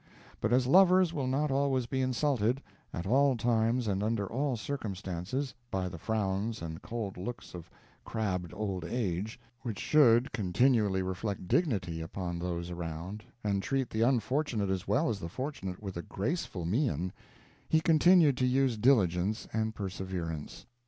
But as lovers will not always be insulted, at all times and under all circumstances, by the frowns and cold looks of crabbed old age, which should continually reflect dignity upon those around, and treat the unfortunate as well as the fortunate with a graceful mien, he continued to use diligence and perseverance.